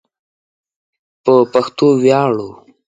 په پښتو ویاړو